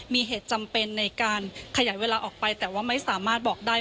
มีเหตุจำเป็นในการขยายเวลาออกไปแต่ว่าไม่สามารถบอกได้